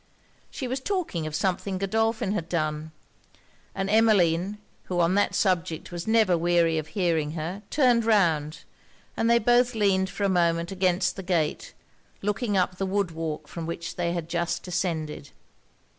She was talking of something Godolphin had done; and Emmeline, who on that subject was never weary of hearing her, turned round, and they both leaned for a moment against the gate, looking up the wood walk from which they had just descended.